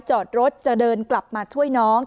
จอดรถจะเดินกลับมาช่วยน้อง